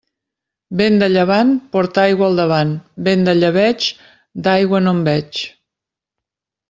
Vent de llevant, porta aigua al davant; vent de llebeig, d'aigua no en veig.